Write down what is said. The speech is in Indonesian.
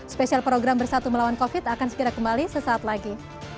spesial program bersatu melawan covid akan segera kembali sesaat lagi